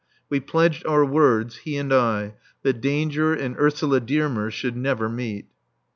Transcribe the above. We pledged our words, he and I, that danger and Ursula Dearmer should never meet.